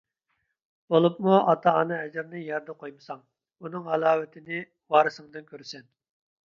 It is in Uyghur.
بولۇپمۇ ئاتا-ئانا ئەجرىنى يەردە قويمىساڭ، ئۇنىڭ ھالاۋىتىنى ۋارىسىڭدىن كۆرىسەن.